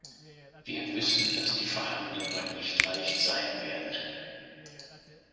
Wir wissen, dass die Verhandlungen nicht leicht sein werden.